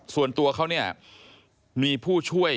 ส่วนตัวเขาเนี่ยมีผู้ช่วย